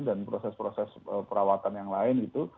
dan proses proses perawatan yang lain gitu